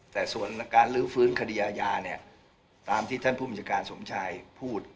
แต่ส่วนการลื้อฟื้นคดีอาญาเนี่ยตามที่ท่านผู้บัญชาการสมชายพูด